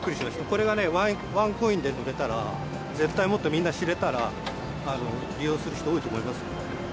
これがね、ワンコインで乗れたら、絶対もっとみんな知れたら、利用する人多いと思いますよ。